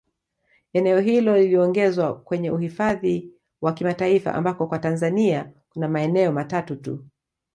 Eneo hilo liliongezwa kwenye uhidhafi wa kimataifa ambako kwa Tanzania kuna maeneo matatu tu